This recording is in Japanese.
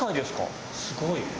すごーい！